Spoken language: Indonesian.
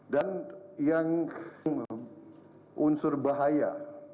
dan yang unsur bahaya